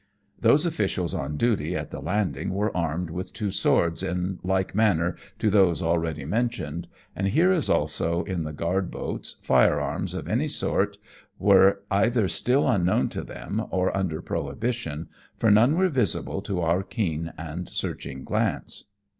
Those officials on duty at the landing were armed with two swords, in like manner to those already mentioned, and here, as also in the guard boats, firearms of any sort were either still unknown to them or under prohibition, for none were visible to our keen and searching gaze.